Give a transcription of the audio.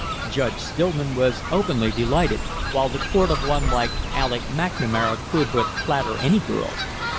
Judge Stillman was openly delighted, while the court of one like Alec McNamara could but flatter any girl.